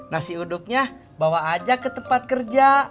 nasi uduknya bawa aja ke tempat kerja